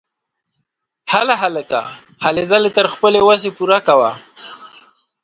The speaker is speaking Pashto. هله هلکه ! هلې ځلې تر خپلې وسې پوره کوه!